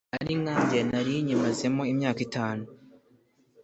ati nkanjye nari nyimazemo imyaka itanu